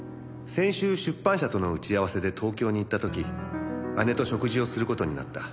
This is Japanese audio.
「先週出版社との打ち合わせで東京に行った時姉と食事をする事になった」